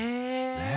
ねえ。